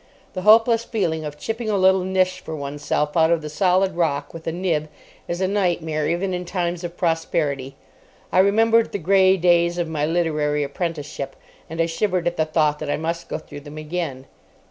The hopeless feeling of chipping a little niche for oneself out of the solid rock with a nib is a nightmare even in times of prosperity. I remembered the grey days of my literary apprenticeship, and I shivered at the thought that I must go through them again.